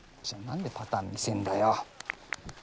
じゃあ何でパターン見せんだよ！